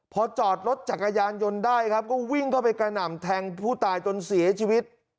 พอจอดรถจักรยานยนต์ได้ครับก็วิ่งเข้าไปกระหน่ำแทงผู้ตายจนเสียชีวิต